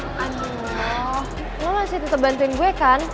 aduh lo masih tetep bantuin gue kan